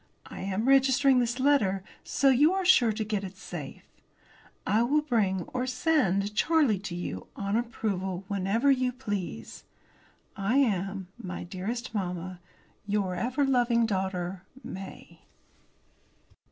I am registering this letter, so you are sure to get it safe. I will bring, or send, Charlie to you, on approval, whenever you please. I am, my dearest mamma, Your ever loving daughter, MAY.